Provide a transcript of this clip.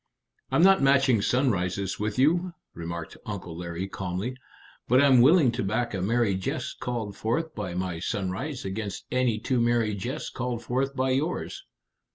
"I'm not matching sunrises with you," remarked Uncle Larry calmly; "but I'm willing to back a merry jest called forth by my sunrise against any two merry jests called forth by yours."